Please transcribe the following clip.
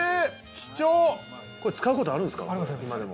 これ、使うことあるんですか？